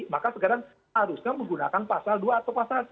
maka sekarang harusnya menggunakan pasal dua atau pasal satu